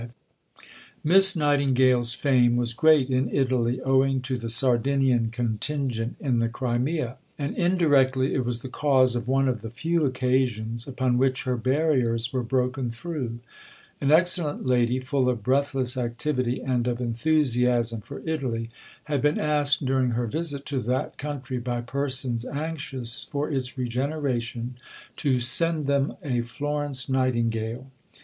V Miss Nightingale's fame was great in Italy, owing to the Sardinian contingent in the Crimea, and indirectly it was the cause of one of the few occasions upon which her barriers were broken through. An excellent lady, full of breathless activity and of enthusiasm for Italy, had been asked during her visit to that country by persons anxious for its regeneration, to "send them a Florence Nightingale."